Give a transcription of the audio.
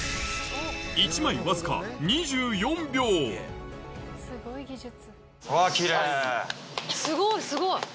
１枚わずかすごいすごい！